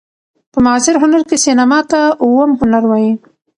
په معاصر هنر کښي سېنما ته اووم هنر وايي.